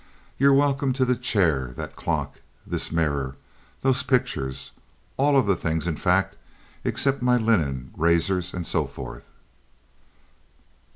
You're welcome to the chair, that clock, this mirror, those pictures—all of these things in fact, except my linen, razors, and so forth."